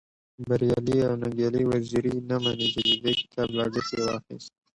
د بريالي او ننګيالي وزيري نه مننه چی د دې کتاب لګښت يې واخست.